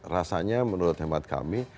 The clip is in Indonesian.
rasanya menurut hemat kami